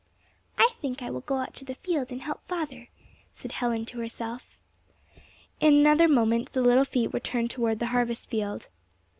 "I think I will go out to the field and help father," said Helen to herself. In another moment the little feet were turned toward the harvest field.